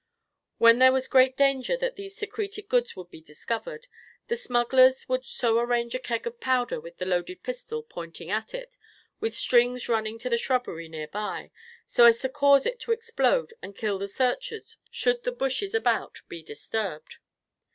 When there was great danger that these secreted goods would be discovered, the smugglers would so arrange a keg of powder with a loaded pistol pointing at it, with strings running to the shrubbery near by, so as to cause it to explode and kill the searchers should the bushes about be disturbed.